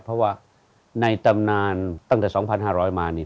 เพราะว่าในตำนานตั้งแต่๒๕๐๐มานี่